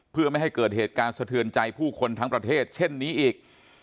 เพื่อไม่ให้เกิดเหตุการณ์สะเทือนใจผู้คนทั้งประเทศเช่นนี้อีก